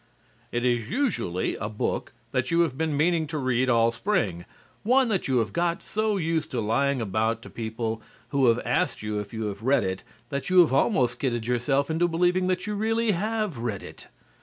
It is usually a book that you have been meaning to read all Spring, one that you have got so used to lying about to people who have asked you if you have read it that you have almost kidded yourself into believing that you really have read it.